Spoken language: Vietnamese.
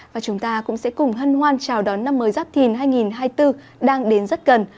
và chúng ta cũng sẽ cùng hân hoan chào đón năm mới giáp thìn hai nghìn hai mươi bốn đang đến rất gần